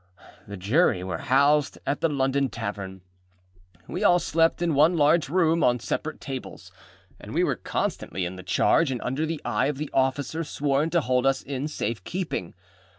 The Jury were housed at the London Tavern. We all slept in one large room on separate tables, and we were constantly in the charge and under the eye of the officer sworn to hold us in safe keeping.